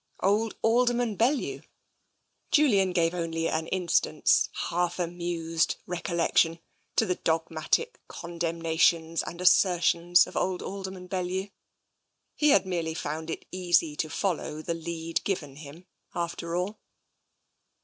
Old Alderman Bellew — Julian gave only an in stant's half amused recollection to the dogmatic con demnations and assertions of old Alderman Bellew. He had merely found it easy to follow the lead given him, after all.